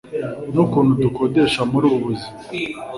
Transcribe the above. nukuntu dukoresha muri ubu buzima